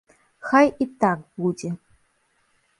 Хай і так будзе!